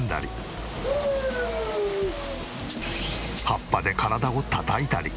葉っぱで体をたたいたり。